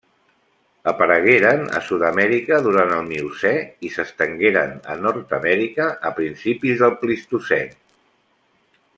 Aparegueren a Sud-amèrica durant el Miocè i s'estengueren a Nord-amèrica a principis del Plistocè.